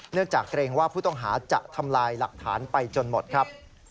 จากเกรงว่าผู้ต้องหาจะทำลายหลักฐานไปจนหมดครับ